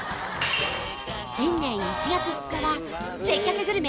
新年１月２日は「せっかくグルメ！！」